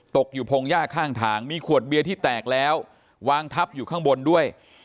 ตกอยู่พงหญ้าข้างทางมีขวดเบียร์ที่แตกแล้ววางทับอยู่ข้างบนด้วย